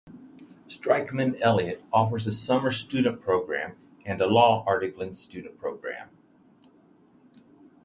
Stikeman Elliott offers a summer student program and a law articling student program.